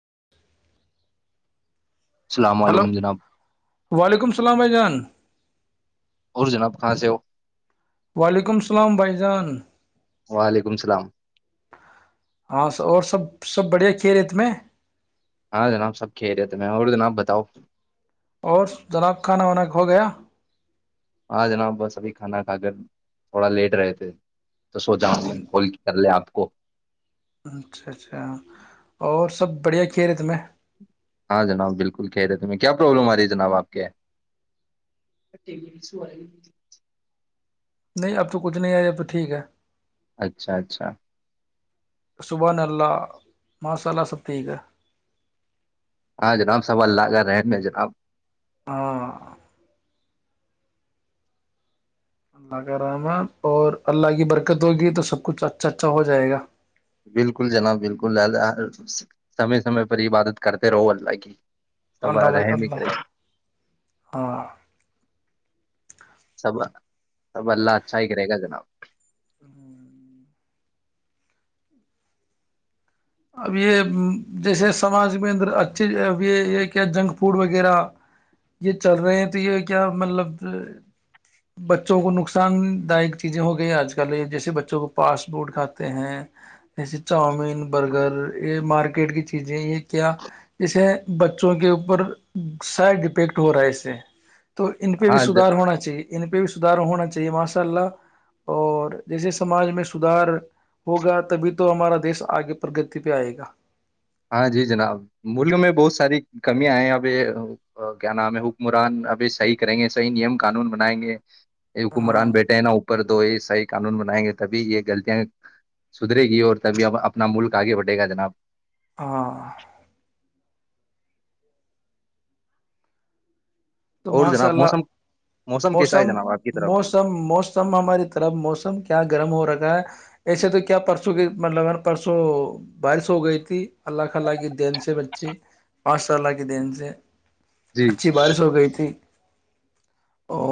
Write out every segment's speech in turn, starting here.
[inaudible] السلام ہلو علیکم جناب وعلیکم السلام بھائی جان اور جناب کہاں سے ہو وعلیکم السلام بھائی جان وعلیکم السلام ہاں س اور سب سب بڑھیا کی ریت میں ہاں جناب سب کہ رہے تھے میں اور جناب بتاؤ اور جناخ کھانا وانا ہو گیا ہاں جناب بس ابھی کھانا کھا کر تھوڑا لیٹ رہے تھے تو سوچا کال کر لیں آپ [inaudible] اچھا اچھا اور سب بڑھیا کھیلے تمیں ہاں جناب بالکل کہہ رہے ت کیا پرابلم آ رہی ہے جناب آپ کے نہیں اب تو کچھ نہیں آیا یہب تو ٹھیک ہے اچھا اچھا صبانلہ مسال ستی یہ گ ہاں جناب سوال ال لا کر رہن میں جناب ہاں اللہ کا رحمن اور اللہ کی برکت ہوگی تو سب کچھ اچھا اچھا ہو جائے گا بالکل جناب بالکل اللہ سمے سمے پر عبادت کرتے رہو اللہ کی سب اللہ ل رحم ہی اللہ کرے ہاں سب سب اللہ اچھا ہی کر رہے گا جناب ہ اب یہ جیسے سماج میں اندر اچھے اب یہ یہ کیا جنک فوڈ وغیرہ یہ چل رہے ہیں تو یہ کیا مطلب بچوں کو نقصان دائک چیزیں ہو گئی آج کل یہ جیسے بچوں کو فاسٹ فوڈ کھاتے ہیں جیسے چاؤمین برگر یہ مارکیٹ کی چیزیں یہ کیا جے بچوں کے اوپر سائڈ افیکٹ ہو رہا ہے اس سے تو ان پہ بھی ہاں سدار ہونا چاہیے ان پہ بھی سدار ہونا چاہیے ماشاء اللہ اور جیسے سماج میں سدھار ہوگا تبھی تو ہمارا دیش آگے پرگتی پہ آئے گا ہاں جی جناب ملک میں بہت ساری کمیاںئے ہیں ابھی کیا نام ہے حکمران ابھی صحیح کریں گے صحیح نیم قانون بنائیں گے یہ کمران ہاں بیٹا ہےنا اپر تو یہ سائ قانون بنائیں گے تبھی یہ غلطیاں سدھرے گی اور تبھی اب اپنا ملک آگے بڑھے گا جناب ہاں تو اور ماشاء جناب اللہ موسم کیسا ہے موسم جناب آپ کی طرف موسم موسم ہماری طرف موسم کیا گرم ہو رکھا ہے ایسے تو کیا پرسوں کی مطلب پرسوں بارش ہو گئی تھی اللہ خلہ کی دین سے بچے پانچ اللہ کی دین سے جی اچھی بارش ہو گئی ایک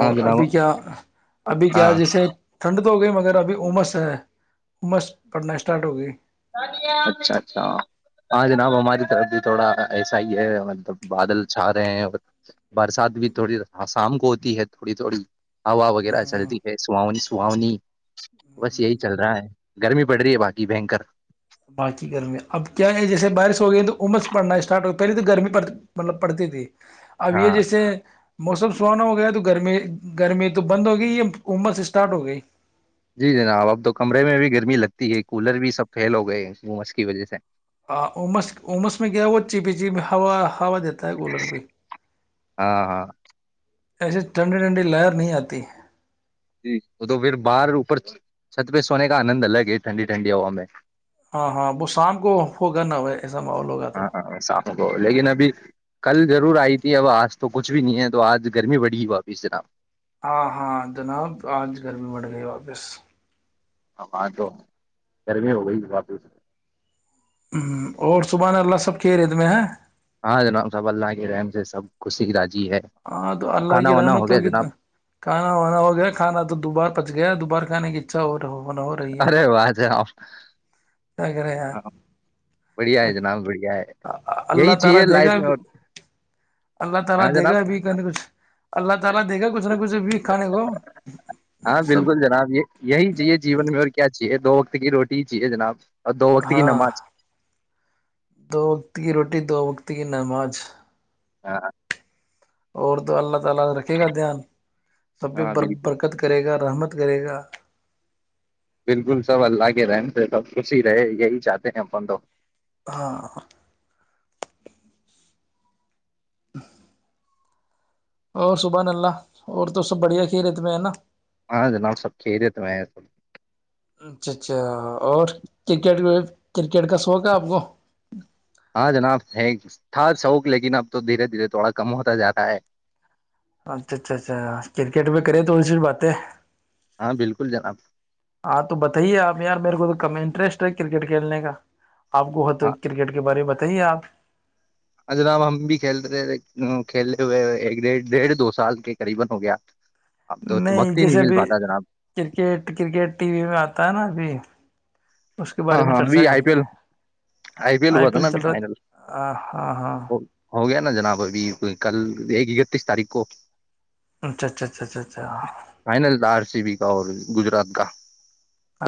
ہاں جناب ابھی کیا ابھی ہاں کیا جیسے ٹھنڈ ہو گئی مگر ابھی عمس ہے امس پڑھنا اسٹارٹ ہو گئی اچھا اچھا ہاں جناب ہماری طرف بھی تھوڑا ایسا ہی ہے مطلب بادل چھا رہے ہیں برسات بھی تھوڑی آسام کو ہوتی ہے تھوڑی تھوڑی ہوا وغیرہ ہاں چلتی ہے سانی سہاونی بس یہی چل رہا ہے گرمی پڑ رہی ہے باقی بکر باقی گرمییاں اب کیا ہے جیسے بارش ہو گئی تو عمس پڑنا اسٹارٹ ہو گیا پہلے تو گرمی پڑ مطلب پڑتی تھی اب یہ ہاں جیسے موسم سہانا ہو گیا تو گرمی گرمی تو بند ہو گئی یا عمس اسٹارٹ ہو گئی جی جناب اب تو کمرے میں بھی گرمی لگتی ہے کولر بھی سب فل ہو گئے گس کی وجہ سے ہاں امس امس میں گیا وہ چی پی چی میں ہوا دیتا تا ہے گولر پہ ہاں ہاں ایسے ٹھنڈی ٹھنڈی لائر نہیں آتی جی وہ تو پھر باہر اوپر چھت پہ سونے کا آنند الگ ہے ٹھنڈی ٹھنڈی ہوا میں ہاں ہاں وہ شام کو ہوگا نا ایسا ماحول ہوگا تو ہاں ہاں صافوں کو لیکن ابھی کل ضرور آئی تھی اب آج تو کچھ بھی نہیں ہے تو آج گرمی بڑی ہوا اپ سے نام ہاں ہاں جناب آج گرمی بڑھ گئی واپس ہاں تو گرمی ہو گئیپ ہ اور صبح اللہ سب کے ریت میں ہے ہاں جناب صبح اللہ کی رحم سے سب خچھ سکھا ہاں اللہگ رہ مت ہوگ جناب کھانا ہوناا ہوگ کھانا تھا دبات پچ گیا دوبار کانے کی اچھا اور ارے آات ہے کیا کریں یار آاں بڑھیا ہے جناب بڑھیا ہے اللہ یہی تعالی چاہیے دے گا لائف میں بھی اور اللہ کیسے؟ ہاں دے گا جناب بھی کے کھ اللہ تع ہاں بالکل جناب یہ یہی چاہیے جیون میں اور کیا چاہیے دو وقت کی روٹی چاہیے جناب اور دو وقت کی ہاں نماز دو وقت کی روٹی دو وقت تین نماز ہاں اورر دو اللہ آات رکھے گا دھیان سب بھی ہاں ب بالکل برکت کرے گا رحمت کرے گا بالکل سب اللہ کے رہن سے س خوش ہی رہے یہی چاہتے ہیں فن تو ہاں ہ اور صبہان اللہ اور تو سب بڑھیا خیریت میں ہے نا ہاں جناب سب خیریت میں ہیں سب اچھا اچھا اور کرکٹ بھی کرکٹ کا شوق ہے آپ کو ہاں جناب ہے تھا شوق لیکن اب تو دھیرے دھیرے تھوڑا کم ہوتا جاتا ہے اچھا اچھا اچھا کرکٹ پے کریے تھوڑی سی باتیں ہاں بالکل جناب ہاں تو بتائیے آپ یار میرے کو تو انٹرسٹ ہے کرکٹ کھیلنے کا آپ کو ہو تو ہاں کرکٹ کے بارے بتا بتائے آپ جناب ہم بھی کھیلتے تھےے کھیلے ہوئے ایک ڈ ڈیڑھ دو سال کے قریب ہو گیا اب تو نہیں وقت ہی مل جیسےبھی پاتا جناب کرکٹ کرکٹ ٹی وی میں آتا ہے نا ابھی اس کے ہاں بارے میں ہاں ابھی چرچا کر آئی پی لیں ایل آئی پی ایل ہوا تھا نا چل ابھی رہا فائنل ہے. ہاں ہاں ہو گیا نا جناب ابھی کل ایک اکتیس تاریخ کو اچھا اچھا اچھا اچھا اچھا کسی بھی کا اور گجرات کا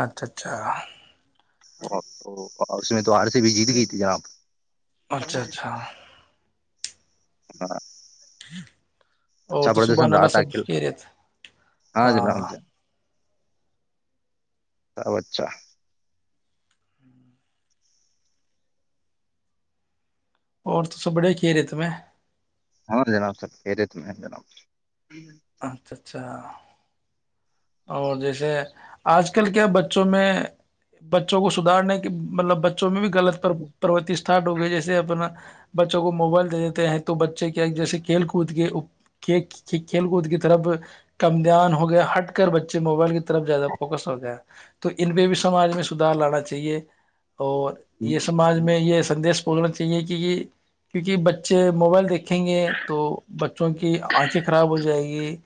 اچھا اچھا تو اس میں تو آر سی بی جیت گئی تھی جناب اچھا اچھا ہاں ہاں اور تو صبح رہا واللہ تھا سب کل کہ رہے تھ ہاں ا اچھا اور توس بڑے کھیرے تو میں ہاں جناب سر کہہ دیے ت میں جناب اچھا اچھا اور جیسے آج کل کیا بچوں میں بچوں کو سدارنے کی مطلب ب میں بھی غط پروتی ہ ہو گئے جیسے اپنا بچوں کو موبائل دے دیتے ہیں تو بچے جیسے کھیل کود کے کھیل کود کی طرف کم دان ہو گیا ہٹ کر بچے موبائل کی طرف زیادہ فوکس ہو جائے تو ان پہ بھی سمج میں سدار لانا چاہیے اور یہ سماج میں یہ سدش بولنا چاہیے کی کیونکہ بچے موبائل دے دکھیں گے تو بچوں کی آنکھیں خراب ہو جائیں گی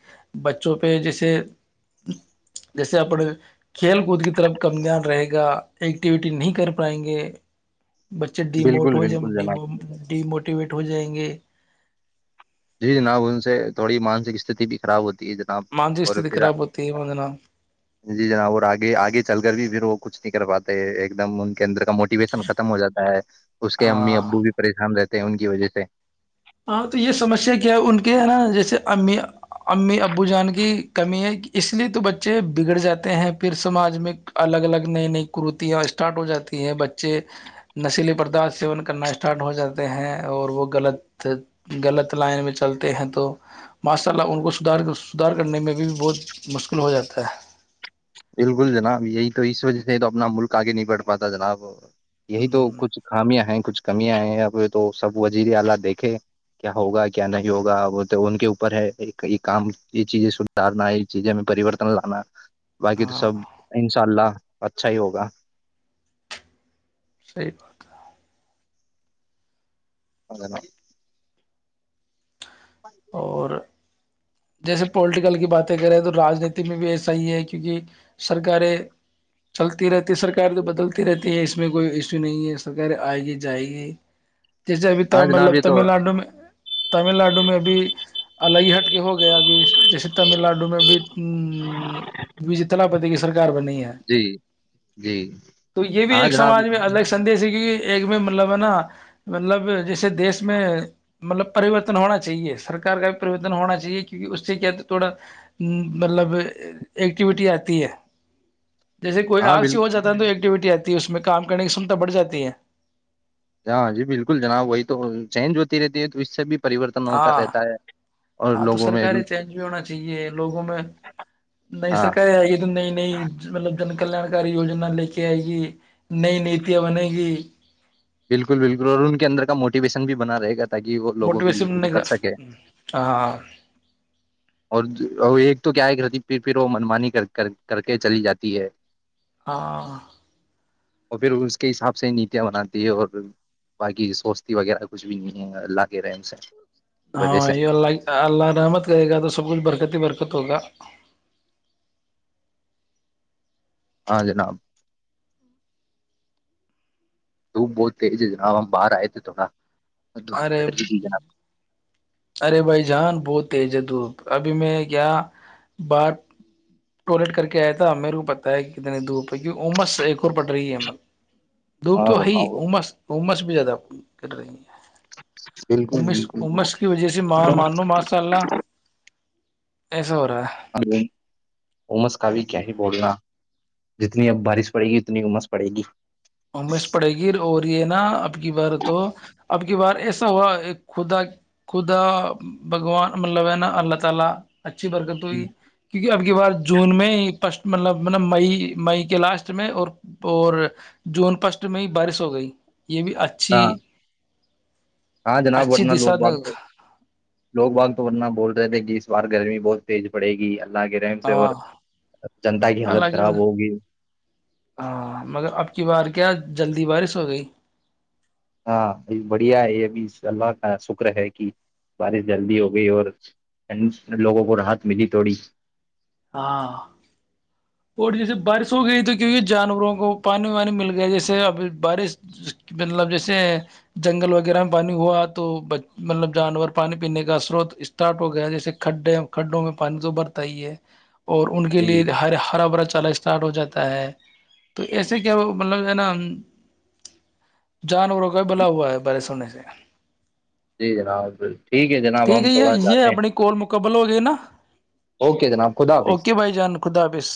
بچوں پہ جیسے جیسے اپنے کھیل کود کی طرف کم دان رہے گا ایکٹیویٹی نہیں کر پائیں گے بچے ڈیموٹ بالکل ہو ج بالکل جناب ڈیو موٹیویٹ ہو جائیں گے جی جناب ان سے تھوڑی مانسک استھی بھی خراب ہوتی جناب مانسک اور استھتی پھر خراب ہوتی ہے وندنا جی جناب اور آگے آگے چل کر بھی پھر وہ کچھ نہیں کر پاتا ایک دم موٹیویشن ختم ہو جاتا ہے اس کے امی ہاں ابو بھی پریشان رہتے ان کی وجہ سے ہاں تو یہ سمسیا کیا ہے ان کے ہے نا جیسے امی امی ابو جان کی کمی ہے اس لیے تو بچے بگڑ جاتے ہیں پھر سماج میں الگ الگ نئی نئی کرتیاں اسٹارٹ ہو جاتی ہیں بچے نشل برداشت سیون کرنا اسٹارٹ ہو جاتا ہے ہیں اور وہ غلط غلط لائن میں چلتے ہیں تو ماشاء اللہ ان کو سدار سدار کرنے میں بھی بہت مشکل ہو جاتا ہے بالکل جناب یہی تو اس وجہ سے تو اپنا ملک آگے نہیں بڑھ پاتا جناب یہی تو ہوں، کچھ خامیاں ہیں کچھ کمیاں آئے ہیں ا تو سب وزیر اعلی دیکھے کیا ہوگا کیا نہیں ہوگا تو ان کے اوپر ہے یہ کام یہ چیزیں سدھارنا یہ چیزیں میں پریورتن لانا باقی تو ہاں سب انشاء اللہ اچھا ہی ہوگا صحی بات ہے ا ل ا اور جیسے پولیٹیکل کی باتیں کریں تو رانیتی میں بھی ایسا ہی ہے کیونکہ سرکاریں چلتی رہتی ہے سرکاریں تو بدلتی رہتی ہے اس میں کوئی ایشو نہیں ہے سرکاریں آئے گی جائے گی جیسے ابھی ت ہاں جناب، مطلب یہ تو تمل ناڈو میں تمل ناڈو میں بھیبھی اللیئیہٹ ہو گیا ابھی جیسے تمل ناڈو میں بھی بیجی تلاپتی کی سرکار گ بنی ہے جی جی تو یہ بھی ہاں ایک جناب سماج میں الگ سے سندیش ایک میں مطلب ہے نا مطلب جیسے دیش میں مطلب پریوررتن ہونا چاہیے سرک کا بھی پریورتن ہونا چاہیے کیونکہ اس سے کیا تھوڑا مطلب ایکٹیویٹی آتی ہے ہاں بالکل ایکٹیوٹی آتی ہے اس میں کام کرنے کی کمتا بڑھ جاتی ہے ہاںاں جی بالکل جناب وہی تو چینج ہوتی رہتی ہے تو اس سے بھی پریورتن ہوتا ہاں رہتا ہے اور ہاں تو لوگوں میں سرکاریں چینج بھی ہونا چاہیے لوگوں میں نئی ہاں سرکاریں آئی ہے تو نئی نئی مطلب جن کلان کاری یجنا لے کے آئے گی نئی نیتیاں بنے گی بالکل بالکل اور ان کے اندر کا موٹیویشن بھی بنا رہے گا تاکہ وہ لوگوں کے لیے موٹیویشن کچھ بنے کر گا سکے ہاں اور ایک تو کیا ہے کرتی پھر پھر وہ منمانی کر کے چلی جاتی ہے ہاں اور پھر اس کے حساب سے نیتیاں بناتی اور باقی سوستی وغیرہ کچھ بھی نہیں ہے اللہ کے رہے ان سے وجہ ہاں سے یہ اللہ اللہ رحمت کرے گا تو سب کچھ برکت پد پیرک تکا ہاں جناب ت بہت تیج ہے جا باہر آئے تھے تھوڑا اور دکھ ارے پھٹ رہ تھی جناب ارے بھائی جان بہت تیج دپ ابھی میں کیا بات ٹولیٹ کر کے آیا تھا میرے کو پتا ہے کہ کتنے دھوپ کی عمس ایک اور پڑ رہی ہےل دوب تو ہاں ہےئی جناب امس امس میں بھی زیادہ کر رہی ہیں بالکل اش امس بالکل کی وجہ سے مان لو ماشاء اللہ س ہو رہا امس کا بھی کیا ہی بولنا جتنی اب بارش پڑے گی اتنی امس پڑے گی امیش پڑے گی اور یہ نا اب کی بار تو اب کی بار ایسا ہو رہا ہے خدا خدا بھگوان مطلب ہے نا اللہ تعالی اچھی برکت ہوئی کیونکہ اب کی بار جون میں فسٹ مطلب م مئی مئی کے لاسٹ میں اور اور جون فسٹ میں ہی بارش ہو گئی یہ بھی اچھی ہاں ہاں جناب اچھی ورننا لوگ دشا باغ تو لوگ باغ تو ورتنا بول رہے تھے کہ اس بار گرمی بہت تیز پڑ گی اللہ کے رحم [unintelligible] سے اور جنتا کی حالت خراب ہوگی جلدی بارش ہو گئی ہاں بڑھیا ہے یہ ابھی اللہ کا شکر ہے کہ بارش جلدی ہو گئی اور لوگوں کو رحت ملی تھوڑی ہاں اور جیسے بارش ہو گئی تو کی جانوروں کو پانی وانی مل گیا جیسے اب بارش مطلب جیسے جنگل وغیرہ میں پانی ہوا تو مطلب جانور پانی پینے کا سروت اسٹارٹ ہو گیا جیسے کھڈے کھڈوں میں پانی تو برتا ہی ہے اور ان کے لیے جی ہر برا بھرا چال اسٹارٹ ہو جاتا ہے تو ایسے کیا مطلب ہے نا جانوروں کا بھلا ہوا ہے بڑے سونے سے جی جناب ٹھیک ہے جناب ٹھیک ہم ہے تھوڑا یہ یہ جاتے ہیں اپنی کال مکمل ہو گئی نا اوکے جناب خدا حافظ اوکے بھائی جان خدا حافظ